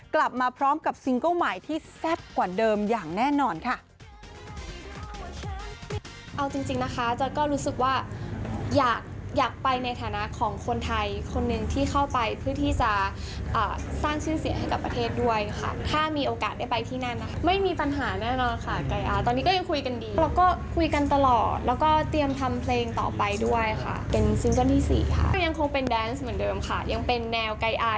กลับมาพร้อมกับซิงเกิ้ลใหม่ที่แซ่บกว่าเดิมอย่างแน่นอนค่ะ